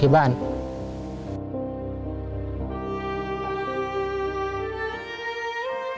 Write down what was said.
นี่คือการดีต่อ